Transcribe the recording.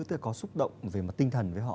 tức là có xúc động về mặt tinh thần với họ